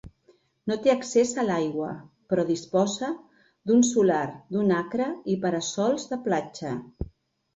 No té accés a l'aigua, però disposa d'un solar d'un acre i para-sols de platja.